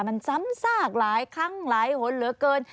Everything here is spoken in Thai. มันซ้ำซากหลายครั้งหลายหนเหลือเกิน